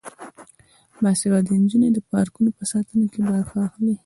باسواده نجونې د پارکونو په ساتنه کې برخه اخلي.